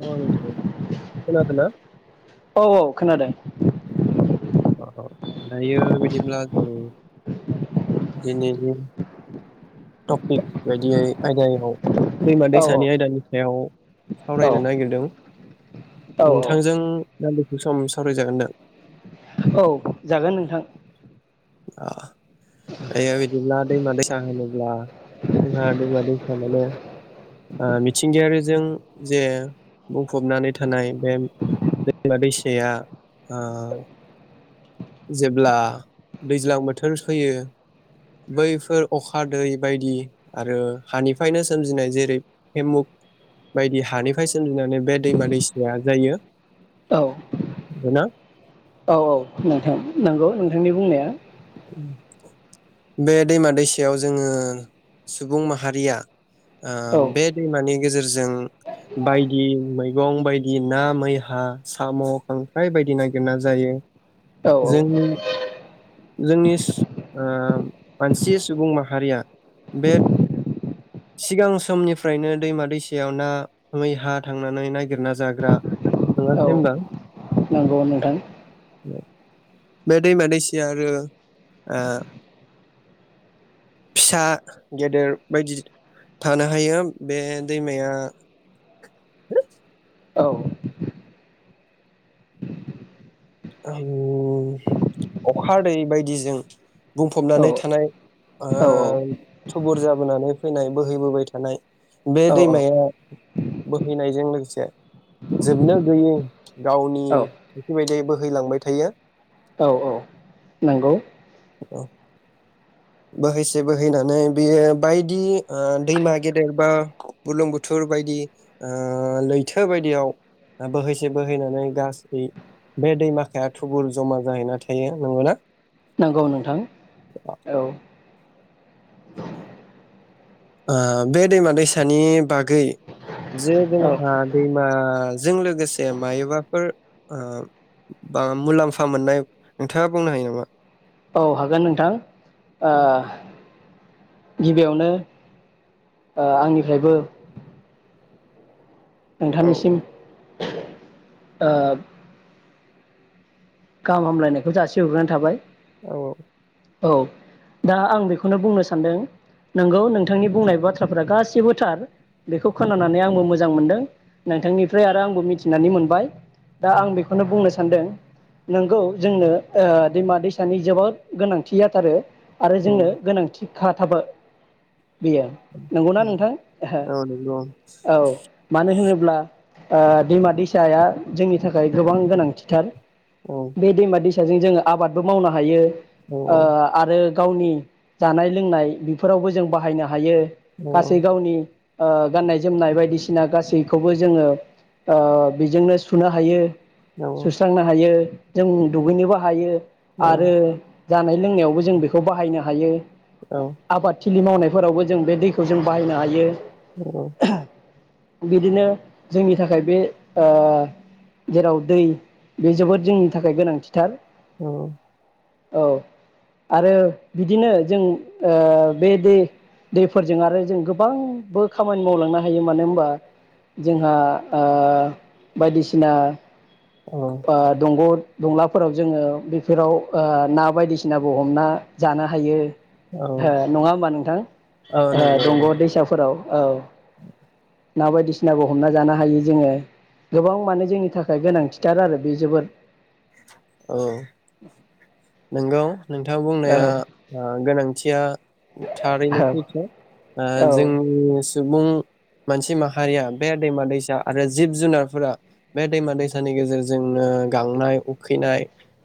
औ नोंथां खोनादों ना औ औ खोनादों औ दायो बिदिब्ला जों दिनै टपिक बायदियै आयदायाव दैैमा औ दैैसानि आयदानि बेयाव औ सावरायनो नागिरदों। औ नोंथांजों। दान्दिसे सम सावरायजागोनदा। औ जागोन नोंथां। आया बिदिब्ला दैमा दैसा होनोब्ला जोंहा दैमा दैसा माने मिथिंगायारिजों जे बुंफबनानै थानाय बे दैमा दैसाया। जेब्ला दैज्लां बोथोर फैयो बैफोर अखा दै बायदि आरो हानिफ्रायनो सोमजिनाय जेरै हेमुग बायदि हानिफ्राय सोमजिनानै बे दैमा दैसाया जायो औ [unintelligible] औ औ नोंथां नंगौ नोंथांनि बुंनाया। बे दैमा दैसायाव जोङो सुबुं माहारिया औ बे दैमानि गेजेरजों बायदि मैगं बायदि ना मैहा साम खांख्राइ बायदि नागिरना जायो औ जोंनि। जोंनि मानसि सुबुं माहारिया बे सिगां समनिफ्रायनो दैमा दैसायाव ना मैहा थांनानै नागिरना जाग्रा औ नङासै होनबा। नंगौ नोंथां। [unintelligible] बे दैमा दैसाया आरो फिसा गेदेर बायदि थानो हायो बे दैमाया। औ अखा दै बायदिजों औ बुंफबनानै थानाय। आ। औ थुबुर जाबोनानै फैनाय बोहैबोबाय थानाय बे दैमाया बोहैनायजों लोगोसे जोबनो गैयै गावनि औ थेखि बायदियै बोहै फैलांबाय थायो औ औ नंगौ [inaudible] औ बोहैसे बोहैनानै बियो बायदि ओ दैमा गेदेर बा बुलुं बुथुर बायदि ओ लैथो बायदियाव आ बोहैसे बोहैनानै गासै बे दैमाखाया थुबुर जमा जाहैना थायो नंगौना? नंगौ नोंथां। औ ओ बे दैमा दैसानि बागै जे औ जोंहा दैमाजों लोगोसे मायोबाफोर ओ बा मुलाम्फा मोननाय नोंथाङा बुंनो हायो नामा? औ हागोन नोंथां ओ। गिबियावनो ओ आंनिफ्रायबो। औ नोंथांनिसिम। ओ। गाहाम हामलायनायखौ जासि हग्रोनाय थाबाय। औ औ। औ दा आं बेखौनो बुंनो सानदों नोंगौ नोंथांनि बुंनाय बाथ्राफोरा गासैबो थार। बेखौ खोनानानै आंबो मोज मोजां मोनदों नोंथांनिफ्राय आरो आंबो मिथिनानै मोनबाय। दा आं बेखौनो बुंनोस सानदों नंगौ जोंनो ओ दैमा दैसानि जोबोद गोनांथि जाथारो। आरो औ जोंनो गोनांथि। हा थाबो। बेयो नंगौना नोंथां औ नंगौ ओहो औ मानो होनोब ब्ला ओ दैमा दैसाया जोंनि थाखाय गोबां गोनांथिथार। औ बे दैमा दैस साजों जोङो आबादबो मावनो हायो। औ ओ आरो। गावनि जानाय लोंनाय बेफोरावबो जों बाहायनो हायो। गासै गावनि। ओ गाननाय जोमनाय बायदिसिना गासैखौबो जोङो ओ बेजोंनो सुनो हायो। औ सुस्रांनो हायो। जों दुगैनोबो हायो। आरो जानाय लोंनायावबो जों बेखौ बाहायनो हायो। आबाद थि थिलि मावनायफोरावबो जों बे दैखौ जों बाहायनो हायो। औ बिदिनो जोंनि थाखाय बे ओ जेराव दै बे जोबोद जोंनि थाखाय गोनांथिथार औ औ आरो बिदिनो जों ओ बे दै दैफोरजों आरो जों गोबांबो खामानि मावलांनो हायो मानो होमबा जोंहा ओ बायदिसिना ओ दंग दंलाफोराव जोङो बेफोराव आ ना बायदिसिनाबो हमना जानो हायो। औ हो नङा होमबा नोंथां औ ओ नंगौ दंग दैसाफोराव औ ना बायदिसिनाबो हमना जानो हायो जोङो गोबां मानो जोंनि थाखाय गोनांथि थिथार आरो बे जोबोद औ नोंगौ नोंथाङा औ बुंनाया आ गोनांथिया थारैनो औ सैथो आ औ जोंनिस सुबुं मानसि माहारिया बे दैमा दैसा आरो जिब जुनारफोरा बे दैमा दैसानि गेजेरजोंनो गांनाय उखैनाय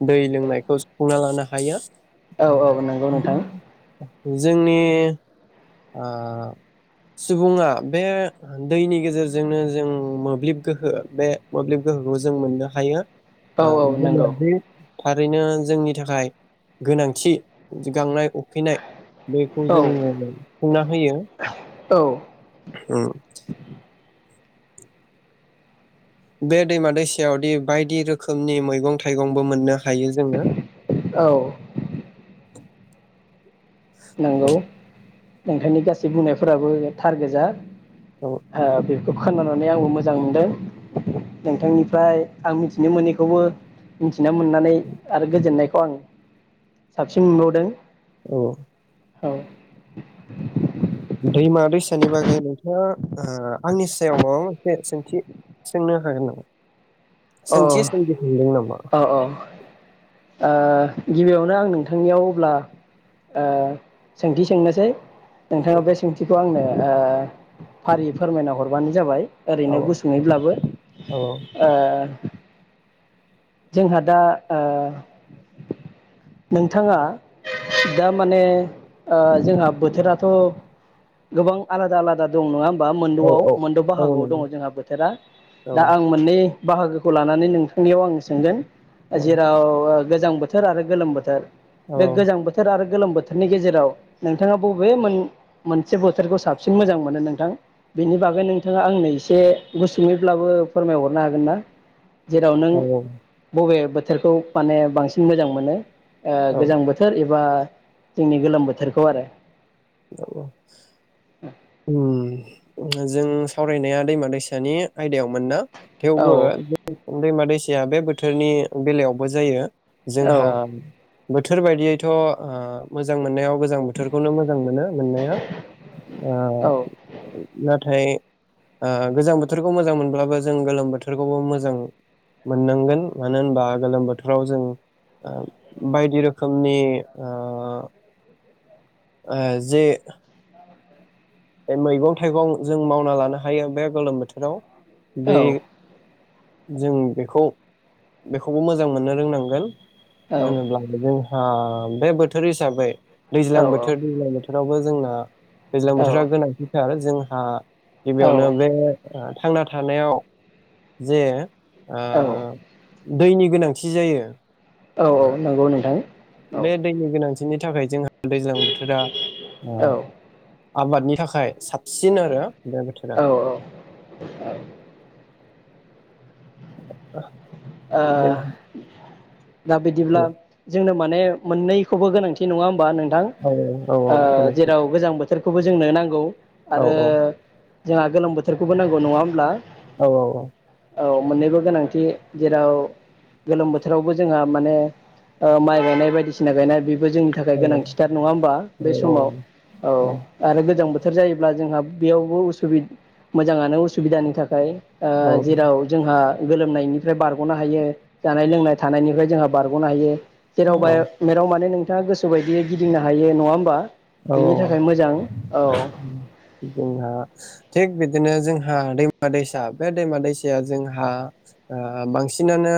दै लोंनायखौ सु फुंना लानो हायो । औ औ नोंगौ नोंथां जोंनि ओ सुबुंङा बे दैनि गेजेरजोंनो जों मोब्लिब गोहो बे मोब्लिब गोहोखौ जों मोननो हायो । ओ औ औ जोंङो‌ नंगौ बे थारैनो जोंनि थाखाय गोनांथि गांनाय उखैनाय बेखौ औ जोंङो सुफुंना होयो औ उम । बे दैमा दैसायावदि बायदि रोखोमनि मैगं थाइगंबो मोननो हायो जोंङो । औ नोंगौ नोंथांनि गासै बुंनायफोराबो थार गोजा । औ ओ बे खोनानानै आंबो मोजां नुदों नोंथांनिफ्राय आं मिथिनो मोनैखौबो मिथिना मोननानै आरो गोजोननायखौ आं साबसिन मोनबावदों । औ औ दैमा दैसानि बागै नोंथांङा ओ आंनि सायाव माबा मोनसे सोंथि सोंनो हागोन नामा? अ सोंथि सोमजिखांदों नामा। अ ओ गिबियावनो आं नोंथांनियाव अब्ला ओ सोंथि सोंनोसै । औ नोंथांङा बे सोंथिखौ आंनो ओ फारियै‌ फोरमायना हरबानो जाबाय । औ ओरैनो गुसुंङैब्लाबो औ ओ जोंहा दा ओ नोंथांङा दा माने ओ जोंहा बोथोराथ' गोबां आलादा आलादा दं नंङा होम बा औ मोनद'आव औ मोनद' औ बाहागोआव दङ नंगौ जोंहा बोथोरा औ दा आं मोननै बाहागोखौ लानानै नोंथांनियाव आं सोंगोन । औ जेराव गोजां बोथोर आरो गोलोम बोथोर। बे औ गोजां बोथोर आरो गोलोम बोथोरनि गेजेराव नोंथांङा बबे मोन मोनसे बोथोरखौ साबसिन मोजां मोनो नोंथां बेनि बागै नोंथांङा आंनो एसे गुसुंङैब्लाबो फोरमायहरनो हागोनना । औ औ। बबे बोथोरखौ माने बांसिन मोजां मोनो । ओ औ गोजां बोथोर एबा जोंनि गोलोम बोथोरखौ आरो । औ औ उम। जों सावरायनाया दैमा दैसानि आयदायावमोन ना? थेवबो औ दैमा दैस या बे बोथोरनि बेलायावबो जायो। जोंहा औ बोथोर बायदियैथ ओ मोजां मोननायाव गोजां बोथोरखौ मोजां मोनो मोननाया ओ औ नाथाय ओ गोजां बोथोरखौ मोजां मोनब्लाबो जों गोलोम बोथोरखौबो मोजां मोननांगोन मानो होनबा गोलोम बोथोराव जों बायदि रोखोमनि ओ ओ जे ए मैगं थाइगं जों मावना लानो हायो बे गोलोम बोथोराव। बे औ जों बेखौ बेखौबो मोजां मोननो रोंनांगोन। औ [unintelligible] ओ बे बोथोर हिसाबै दैज्लां औ बोथोर दैज्लां बोथोर रावबो जोंना दैज्लां थोरा गोनांथिथार जों आ आ औ गिबियावनो बे ओ थांना थानायाव जे ओ औ दैनि गोनांथि जायो। औ औ ओ नंगौ नोंथां। औ बे दैनि गोनां गोनांथिनि थाखाय जोंहा दैज्लां बोथोरा ओ औ आबादनि थाखाय साब सिन आरो बे बोथोरा। औ ओ [inaudible] जों ओह दा बिदिब्ला जोंनो माने मोननैखौबो गोनांथि नङा होम बा नोंथां औ औ ओ गोनांथि जेराव गोजां बोथोर खौबो जोंनो नांगौ। औ आरो जोंहा गोलोम बोथोरखौबो नांगौ नङा होमब्ला? औ औ औ। औ मोननैबो गोनांथि। जेराव गोलोम बोथोरावबो जोंहा माने ओ माइ गायनाय बायदिसिना गायनाय बि बो जोंनि थाखाय औ गोनांथिथार नङा होमबा बे औ समाव औ आरो गोजां बो थोर जायोब्ला जोंहा बेयावबो उसुबद मोजाङानो उसुबिदानि थाखाय। ओ औ जेराव जोंहा गोलोमनायनि बारग'नो हायो जानाय लोंनाय थानायनिफ्राय जोंहा बारग'नो हायो। औ जेरावबाय औ मेराव माने नों स्रा गोसो बायदियै गिदिंनो हायो नङा होमबा। औ बेनि ओ। थाखाय मोजां औ थिग बिदिनो जोंहा दैमा दैसा बे दैमा दैसाया जोंहा ओ बांसिनानो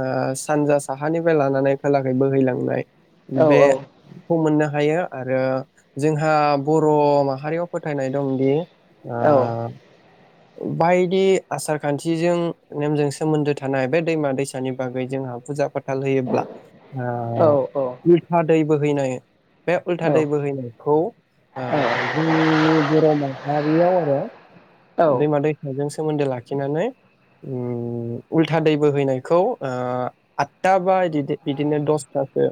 ओ सानजा साहानिफ्राय लानानै खोलाखै बोहैलांनाय औ बेखौ मोननो हायो आरो जोंहा बर' माहारियाव फोथायनाय दंदि आ औ बायदि आसार खान्थिजों नेमजों सोमोन्दो थानाय बे दैमा दैसानि बागै जोंहा फुजा फोथ थाल होयोब्ला औ ओ [unintelligible] दै बोहैनाय बे उल्था औ दै बोहैयो खौ ओ जोंनि बर' मान माबियाव आरो दैमा दैसाजों सोमोन्दो लाखिनानै उम उल्था दै बोहैनायखौ ओ आठथा बा इदि इदिनो दसथासो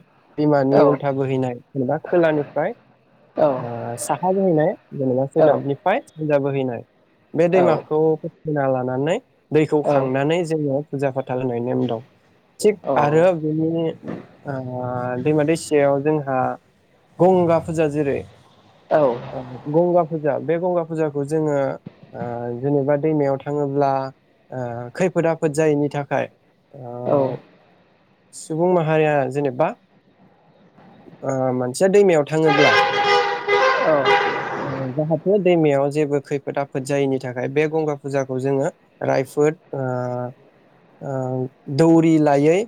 औ बिमानि उल्था बोहैनाय जेनेबा खोलानिफ्राय औ ओ साहा जाहैनाय जेनेबा सोनाबनिफाय सानजा बोहैनाय बे औ औ दैमाखौ [unintelligible] लानानै दैखौ खांनानै जोङो फुजा फाथाल होनाय नेम दं। थिग औ आरो बेनि ओ ओ दैमा दैसायाव जोंहा गंगा फुजा जेरै औ ओ गंगा फु जा बे गंगा फुजाखौ जोङो ओ जेनेबा दैमायाव थाङोब्ला ओ खैफोद आफोद जायैनि थाखाय ओ सुबुं माहारिया जेनेबा ओ मानसिया दैमायाव थाङोब्ला ओ जाहाथे दैमायाव जेबो खैफोद आफोद जायैनि थाखाय बे गंगा फुजाखौ जोङो रायफोद ओ ओं दौरि लायै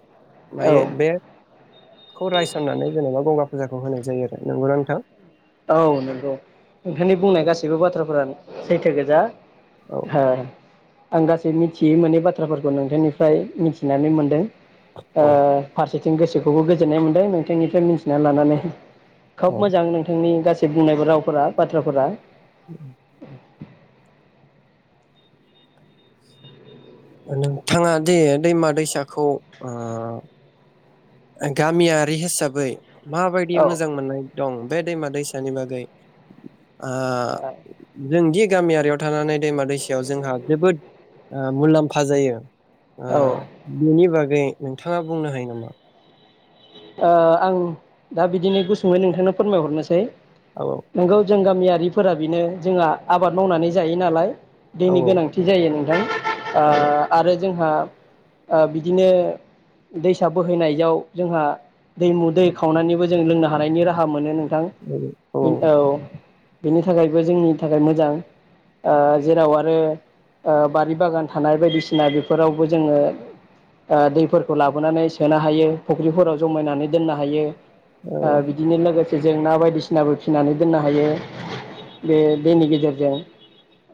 औ लायै बे खौ रायसननानै जेनेबा गंगा फुजाखौ होनाय जायो आरो नोंगौना नोंथां? औ नोंगौ नोथांनि बुंनाय गासैबो बाथ्राफोरानो सैथो गोजा। औ हा। आं गासै मिथियै मोने बाथ्राफोरखौ नोंथांनिफ्राय मिन्थिनानै मोनदों। ओ औ फारसे जों गोसोखौबो गोजोननाय मोनदों नोंथांनिफ्राय मिन्थिना लानानै। खोब औ मोजां नों नि गासै बुंनायबो रावफोरा बाथ्राफोरा उम नोंथाङा दि दैमा दैसाखौ ओ ओं गामियारि हिसाबै। माबायदि औ मोजां मोननाय? दं बे दैमा दैसानि बागै ओ जोंदिग गामियारियाव थानानै दैमा दैसायाव जोंहा जोबोद ओ मुलाम्फा जायो। ओ बिनि बाग रि नोंथाङा बुंनो हायो नामा? ओ‌ आं दा बिदिनो गुसुङै नोंथांनो फोरमायहरनोसै। औ नोंगौ जों गाम मियारिफोरा बिनो जोंहा आबाद मावनानै जायो नालाय। औ दिनि गोनांथि जायो नों [inaudible] ओ औ आरो जोंहा ओ बिदिनो दैसा बोहैनायाव जोंहा दैमु दै खावनानिबो जों लोंनो हानायनि राहा मोनो नों थां इन औ। बिनि थाखायबो जोंनि थाखाय मोजां ओ जेराव आरो ओ बारि बागान थानाय बायदिसिना बेफोरावबो जोङो ओ दैफोरखौ लाबोनानै सोनो हायो फुख्रिफोराव ज जमायनानै दोननो हायो। ओ बिदिनो लोगो जों ना बायदिसिनाबो फिसिनानै दोननो हायो बे दैनि गेजेरजों।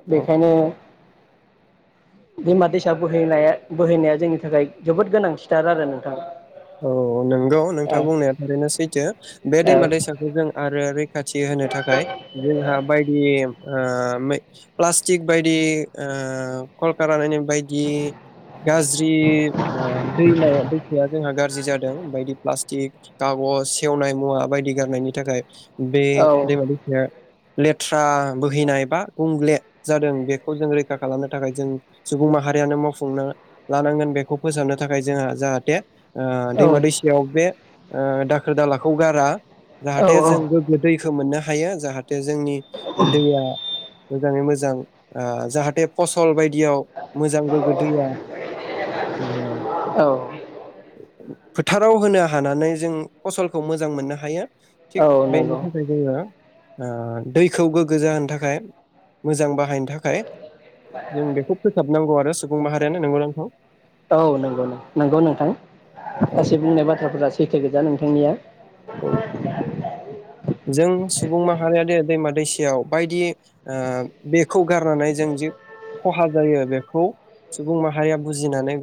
औ बेखायनो दैमा दैसा बोहैनाया बोहैनाया जोंनि थाखाय जोबोद गोनांथिथार आरो नोंथां। औ नोंगौ औ नोंथां बुंनाया थारैनो सैथो बे दैमा दैसाखौ जों आरो रैखाथि होनो थाखाय जोंहा बायदि ओ मेक प्लास्टिक बायदि ओ कलतानि बानाय बायदि गाज्रि ओ दैमाया दैखाया जोंहा गाज्रि जादों बायदि प्लासटिक बिग थागज सेवनाय मुवा बायदि गारनायनि थाखाय बे औ दैेमा दैसाया लेथ्रा बोहैनाय बा गुंग्ले जादों बेखौ जों रैखा खालामनो थाखाय जों सुबुं माहारियानो मावफुंनो लानांगोन बेखौ फोसाबनो थाखाय जोंहा जाहाथे ओ औ दैमा दैसायाव बे ओ दाखोर दालाखौ गारा जाहाथे जों औ गोग्गो दैखौ मोननो हायो जाहाथ थे जोंनि दैया मोजाङै मोज जां ओ जाहाथे फसल बाय दियाव मोजां गोग्गो दैया औ फोथाराव होनो हानानै जों फसलखौ मोजां मोननो हायो। थिग औ बेनि नंगौ थाखाय जोङो ओ दैखौ गोग्गो जाहोनो थाखाय मोजां बाह बाहायनो थाखाय जों बेखौ फोसाबनांगौ आरो सुबुं माहारियानो नोंगौ ना नोंथां। औ नंगौ नंगौ नोंथां औ गासै बुंनाय बाथ्राफोरा सैथो गोजा नोंथांनिया। औ जों सुबुं माहारिया दै दैमा दैसायाव बायदि ओ बेखौ गारनानै जों जि खहा जायो बेखौ सुबुं माहारिया बुजिनानै